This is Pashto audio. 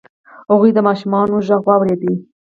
هغوی د ماشومانو غږ واورید.